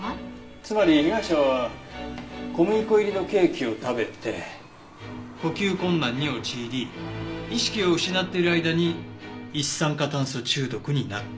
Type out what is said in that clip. つまり被害者は小麦粉入りのケーキを食べて呼吸困難に陥り意識を失っている間に一酸化炭素中毒になった。